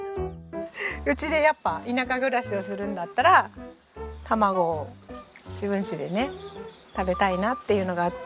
うちでやっぱ田舎暮らしをするんだったら卵を自分ちでね食べたいなっていうのがあって。